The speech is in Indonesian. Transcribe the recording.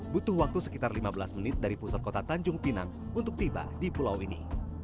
butuh waktu sekitar lima belas menit dari pusat kota tanjung pinang untuk tiba di pulau ini